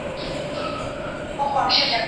د خاوند او ميرمنې تر منځ باید کوم احترام موجود وي؟